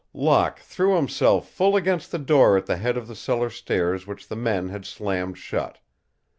Locke threw himself full against the door at the head of the cellar stairs which the men had slammed shut.